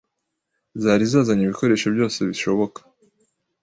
zari zazanye ibikoresho byose bishoboka,